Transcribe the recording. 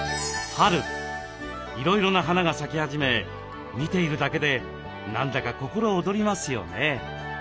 春いろいろな花が咲き始め見ているだけで何だか心躍りますよね。